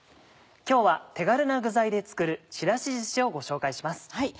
今日は手軽な具材で作るちらしずしをご紹介します。